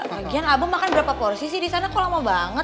bagian abah makan berapa porsi sih disana kok lama banget